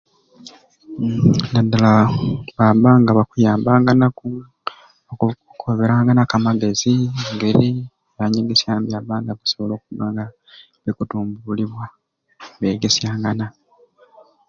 Nadala baba nga bakuyambanganaku oku okukoberanganaku amagezi engeri ebyanyegesya nibyaba nga bikusobola okutumbulibwa begesyangana